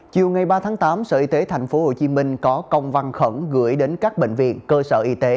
chiều ngày ba tháng tám sở y tế tp hcm có công văn khẩn gửi đến các bệnh viện cơ sở y tế